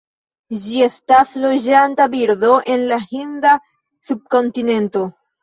Ĝi estas loĝanta birdo en la Hinda subkontinento.